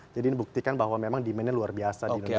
jadi ini membuktikan bahwa memang demand nya luar biasa di indonesia